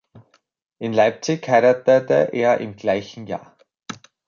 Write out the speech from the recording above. In Leipzig heiratete er im gleichen Jahr.